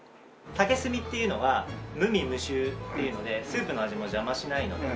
竹炭っていうのは無味無臭っていうのでスープの味も邪魔しないので。